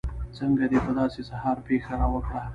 څنګه دې په داسې سهار پېښه راوکړه.